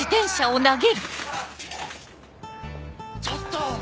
ちょっと！